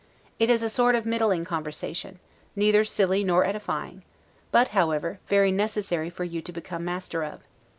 It is a sort of middling conversation, neither silly nor edifying; but, however, very necessary for you to become master of.